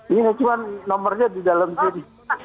ini cuma nomornya di dalam tim